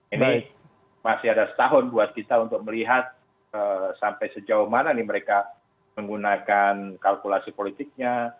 ini masih ada setahun buat kita untuk melihat sampai sejauh mana nih mereka menggunakan kalkulasi politiknya